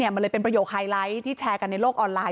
มันเลยเป็นประโยคไฮไลท์ที่แชร์กันในโลกออนไลน